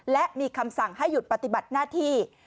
และมีคำสั่งให้หยุดปฏิบัติหน้าที่